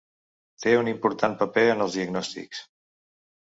Té un important paper en els diagnòstics.